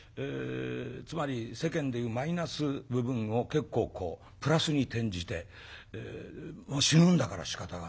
つまり世間で言うマイナス部分を結構こうプラスに転じて死ぬんだからしかたがない。